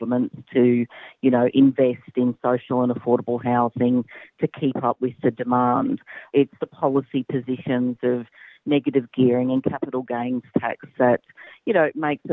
mungkin mereka menambahkan elemen kompleks